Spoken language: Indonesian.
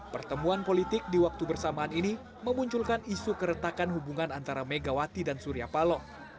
pertemuan politik di waktu bersamaan ini memunculkan isu keretakan hubungan antara megawati dan surya paloh